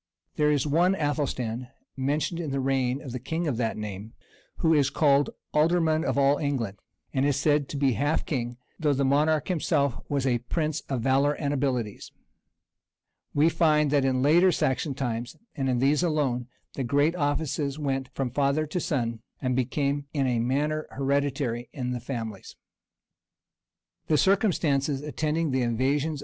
There is one Athelstan, mentioned in the reign of the king of that name, who is called alderman of all England, and is said to be half king; though the monarch himself was a prince of valor and abilities.[] And we find that in the later Saxon times, and in these alone, the great offices went from father to sun, and became in a manner hereditary in the families.[A] [* Hist.